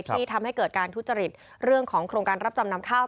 ที่ทำให้เกิดการทุจริตเรื่องของโครงการรับจำนำข้าว